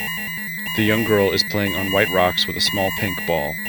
The young girl is playing on white rocks with a small pink ball.